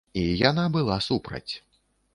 І яна была супраць.